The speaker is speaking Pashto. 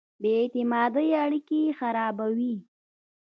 بې اعتمادۍ اړیکې خرابوي.